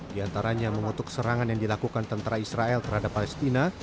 diantaranya mengutuk serangan yang dilakukan tentera israel terhadap palestina